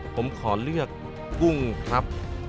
ผมขอเลือกกุ้งครับ